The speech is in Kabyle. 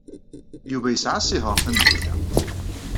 Yuba yesɛa asihaṛ tameddit-a.